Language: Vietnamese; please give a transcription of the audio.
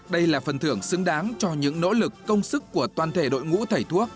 đây là phần thưởng xứng đáng cho những nỗ lực công sức của toàn thể đội ngũ thầy thuốc